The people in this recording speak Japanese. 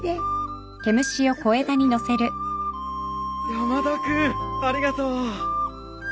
山田君ありがとう。